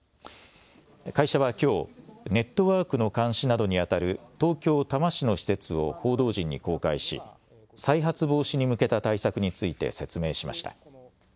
会社はきょうネットワークの監視などにあたる東京多摩市の施設を報道陣に公開し再発防止に向けた対策について説明しました。